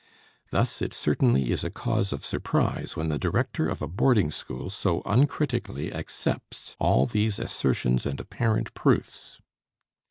Thus, it certainly is a cause of surprise when the director of a boarding school so uncritically accepts all these assertions and apparent proofs."